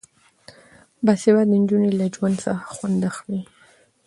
باسواده نجونې له ژوند څخه خوند اخلي.